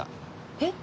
えっ？